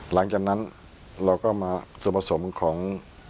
หลังจากนั้นเราก็มาส่วนผสมของ